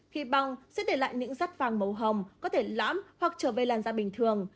khi băng sẽ để lại những rắt vàng màu hồng có thể lãm hoặc trở về làn gia bình thường